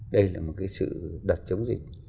đây là một cái sự đặt chống dịch